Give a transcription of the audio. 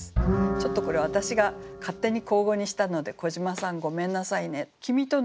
ちょっとこれ私が勝手に口語にしたので小島さんごめんなさいね。